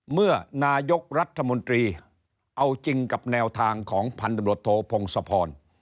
เมื่อนายกรัฐมนตรีเอาจริงกับแนวทางของพันธบรวจโทพงศพร